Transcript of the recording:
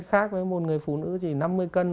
khác với một người phụ nữ chỉ năm mươi cân